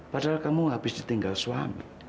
padahal kamu habis ditinggal suami